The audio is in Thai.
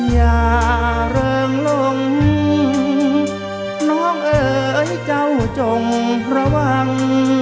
อย่าเริงลงน้องเอ๋ยเจ้าจงระวัง